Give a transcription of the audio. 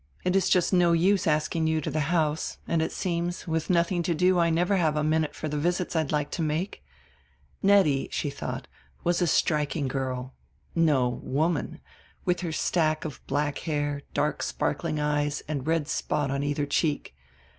It is just no use asking you to the house, and it seems, with nothing to do, I never have a minute for the visits I'd like to make." Nettie, she thought, was a striking girl, no woman, with her stack of black hair, dark sparkling eyes and red spot on either cheek.